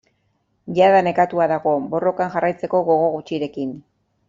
Jada nekatua dago, borrokan jarraitzeko gogo gutxirekin.